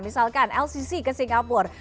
misalkan lcc ke singapura